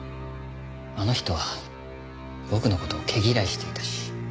あの人は僕の事を毛嫌いしていたし。